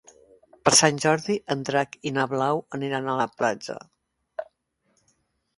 Per Sant Jordi en Drac i na Blau aniran a la platja.